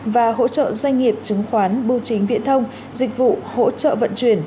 và hỗ trợ doanh nghiệp chứng khoán bưu chính viễn thông dịch vụ hỗ trợ vận chuyển